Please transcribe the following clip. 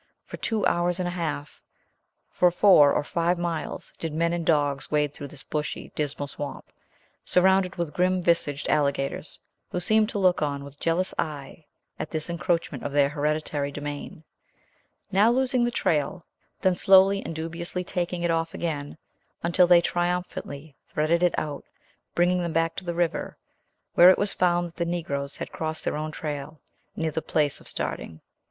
For two hours and a half, for four or five miles, did men and dogs wade through this bushy, dismal swamp, surrounded with grim visaged alligators, who seemed to look on with jealous eye at this encroachment of their hereditary domain; now losing the trail then slowly and dubiously taking it off again, until they triumphantly threaded it out, bringing them back to the river, where it was found that the Negroes had crossed their own trail, near the place of starting.